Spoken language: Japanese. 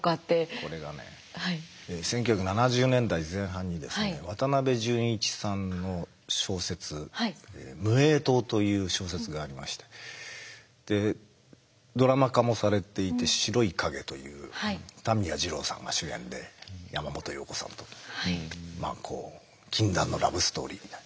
これがね１９７０年代前半にですね渡辺淳一さんの小説「無影燈」という小説がありましてでドラマ化もされていて「白い影」という田宮二郎さんが主演で山本陽子さんとまあこう禁断のラブストーリーみたいな。